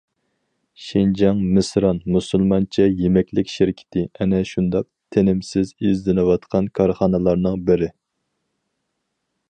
شىنجاڭ‹‹ مىسران›› مۇسۇلمانچە يېمەكلىك شىركىتى ئەنە شۇنداق تىنىمسىز ئىزدىنىۋاتقان كارخانىلارنىڭ بىرى.